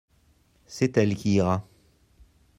C'est elle qui ira.